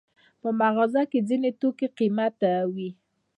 په مغازه کې ځینې توکي قیمته وي.